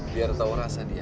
biar tahu rasa dia